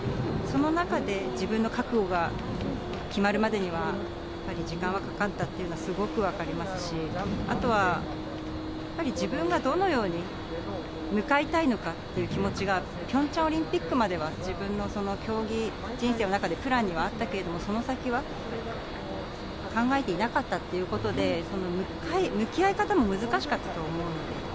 その中で自分の覚悟が決まるまでには、やっぱり時間はかかったというのは、すごく分かりますし、あとは、やっぱり自分がどのように向かいたいのかっていう気持ちが、ピョンチャンオリンピックまでは自分の競技人生の中でプランにはあったけれども、その先は考えていなかったっていうことで、向き合い方も難しかったと思うんです。